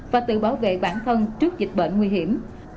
và tự bảo vệ bản thân trước dịch bệnh nguy hiểm